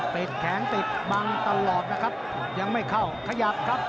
แขนติดบังตลอดนะครับยังไม่เข้าขยับครับ